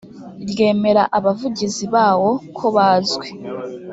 ryemera abavugizi bawo kobazwi